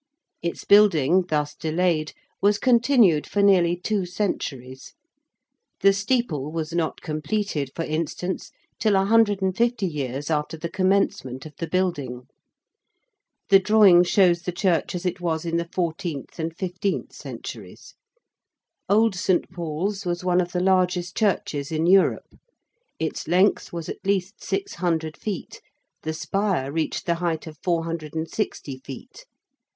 Its building, thus delayed, was continued for nearly two centuries. The steeple was not completed, for instance, till a hundred and fifty years after the commencement of the building. The drawing shows the church as it was in the fourteenth and fifteenth centuries. Old St. Paul's was one of the largest churches in Europe: its length was at least 600 feet; the spire reached the height of 460 feet.